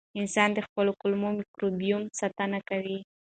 انسانان د خپل کولمو مایکروبیوم ساتنه کوي.